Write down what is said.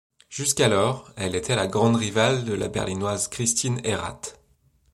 Jusqu'alors, elle était la grande rivale de la Berlinoise Christine Errath.